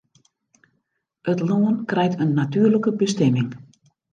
It lân krijt in natuerlike bestimming.